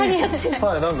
はい何か。